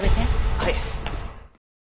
はい。